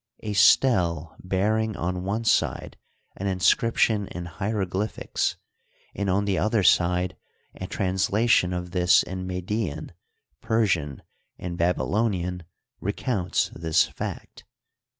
A stele bear ing on one side an inscription in hieroglyphics and on the other side a translation of this in Median, Persian, and Babylonian, recounts this fact.